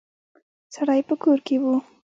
سړی په کور کې و.